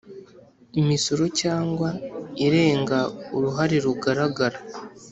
Imisoro cyangwa irenga uruhare rugaragara